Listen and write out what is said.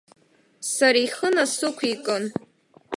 Сара ихы насықәикын.